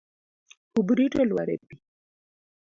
Kubrit olwar e pi.